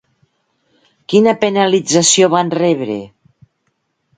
Quina penalització van rebre?